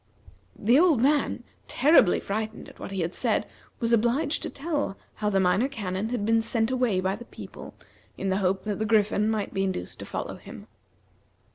The old man, terribly frightened at what he had said, was obliged to tell how the Minor Canon had been sent away by the people, in the hope that the Griffin might be induced to follow him.